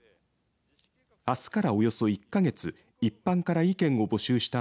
あすから、およそ１か月一般から意見を募集した